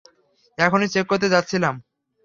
এখনই চেক করতে যাচ্ছিলাম!